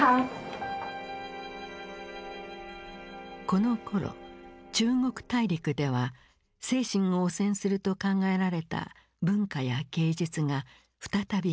このころ中国大陸では精神を汚染すると考えられた文化や芸術が再び禁止された。